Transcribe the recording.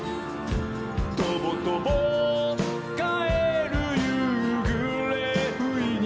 「とぼとぼかえるゆうぐれふいに」